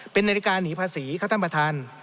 เป็นนาฬิกาหนีภาษีครับท่านประธาน